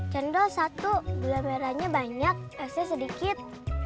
cendol satu gula merahnya banyak esnya sedikit